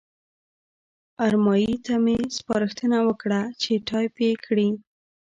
ارمایي ته مې سپارښتنه وکړه چې ټایپ یې کړي.